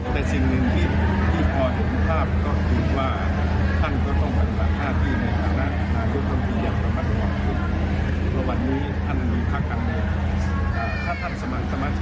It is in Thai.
ถ้าท่านสมัครคณะที่คำอะไร